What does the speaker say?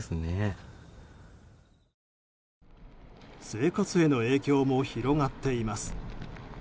生活への影響も広がっています。